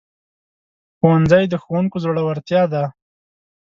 ښوونځی د ښوونکو زړورتیا ده